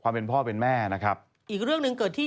ซึ่งตอน๕โมง๔๕นะฮะทางหน่วยซิวได้มีการยุติการค้นหาที่